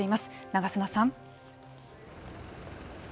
長砂さん。